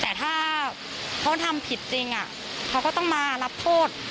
แต่ถ้าเขาทำผิดจริงเขาก็ต้องมารับโทษ